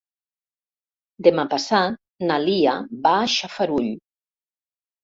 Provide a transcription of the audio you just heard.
Demà passat na Lia va a Xarafull.